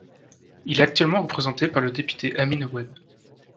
Il est actuellement représenté par le député Amine Wehbe.